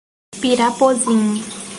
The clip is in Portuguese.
Pirapozinho